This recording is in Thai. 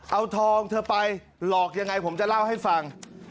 เอาทองเธอไปหลอกยังไงผมจะเล่าให้ฟัง